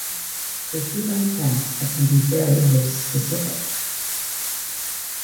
They feed on plants and can be very host specific.